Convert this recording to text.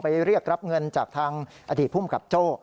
เรียกรับเงินจากทางอดีตภูมิกับโจ้